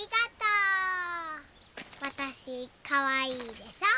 わたしかわいいでしょ？